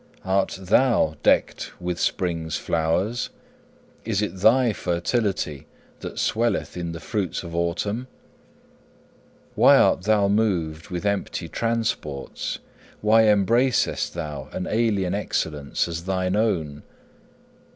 Art thou decked with spring's flowers? is it thy fertility that swelleth in the fruits of autumn? Why art thou moved with empty transports? why embracest thou an alien excellence as thine own?